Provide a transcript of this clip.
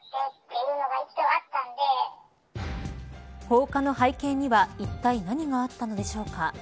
放火の背景にはいったい何があったのでしょうか。